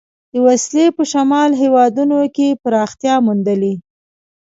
دې وسیلې په شمالي هېوادونو کې پراختیا موندلې.